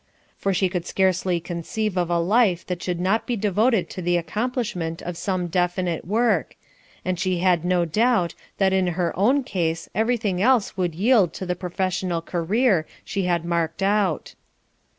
For she could scarcely conceive of a life that should not be devoted to the accomplishment of some definite work, and she had no doubt that in her own case everything else would yield to the professional career she had marked out.